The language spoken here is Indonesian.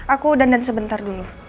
aku dandan sebentar dulu